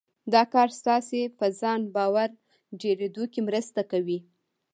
دا کار ستاسې په ځان باور ډېرېدو کې مرسته کوي.